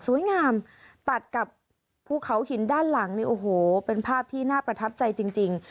ตัดกับภูเขาหินด้านหลังนี่โอ้โหเป็นภาพที่น่าประทับใจจริง